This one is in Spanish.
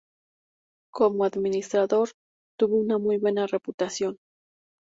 Como administrador, tuvo una muy buena reputación.